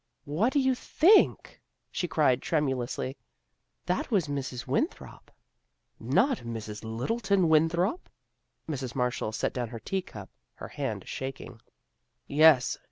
" What do you think," she cried tremulously. " That was Mrs. Winthrop." " Not Mrs. Littleton Winthrop !" Mrs. Mar shall set down her tea cup, her hand shaking. " Yes.